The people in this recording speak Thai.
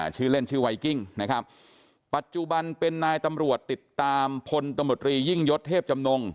ชื่อเล่นชื่อไวกิ้งนะครับปัจจุบันเป็นนายตำรวจติดตามพลตำรวจรียิ่งยศเทพจำนง